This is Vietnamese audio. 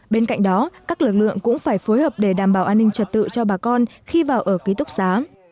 bên cạnh đó các lực lượng cũng phải phối hợp để đảm bảo an ninh trật tự cho bà con khi vào ở ký túc xá